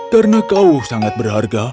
karena kau sangat berharga